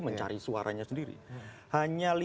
mencari suaranya sendiri hanya